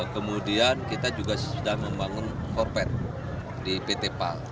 kemudian kita juga sedang membangun forpet di pt pal